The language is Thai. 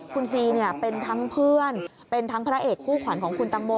คุณซีเป็นทั้งเพื่อนเป็นทั้งพระเอกคู่ขวัญของคุณตังโม